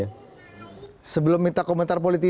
yang menghormati yang menghormati